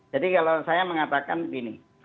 jadi kalau saya mengatakan begini